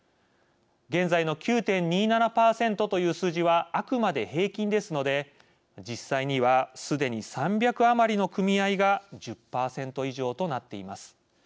現在の９．２７％という数字はあくまで平均ですので実際にはすでに３００余りの組合が１０％以上となっています。